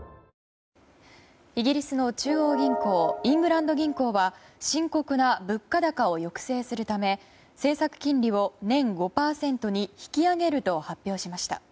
イギリスの中央銀行イングランド銀行は深刻な物価高を抑制するため政策金利を年５％に引き上げると発表しました。